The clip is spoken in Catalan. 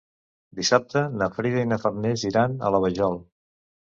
Dissabte na Frida i na Farners iran a la Vajol.